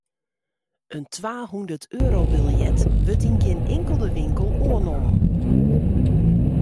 In twahûnderteurobiljet wurdt yn gjin inkelde winkel oannommen.